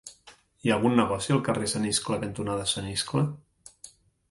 Hi ha algun negoci al carrer Sant Iscle cantonada Sant Iscle?